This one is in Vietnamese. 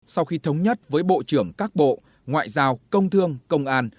sau khi thống nhất với bộ trưởng các bộ ngoại giao công thương công an